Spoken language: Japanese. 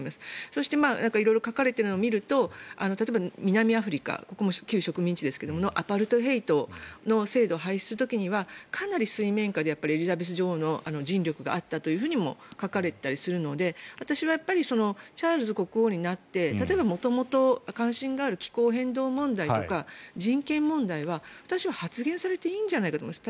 そして色々書かれているのを見ると例えば南アフリカここも旧植民地ですがアパルトヘイトの制度を廃止する時にはかなり水面下でエリザベス女王の尽力があったというふうにも書かれていたりするので私はチャールズ国王になって例えば、元々関心がある気候変動問題とか人権問題は、私は発言されていいんじゃないかと思います。